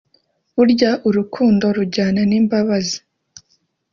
Burya urukundo rujyana n’imbabazi